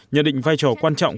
nhận định vai trò quan trọng